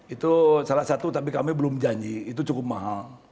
itu salah satu tapi kami belum janji itu cukup mahal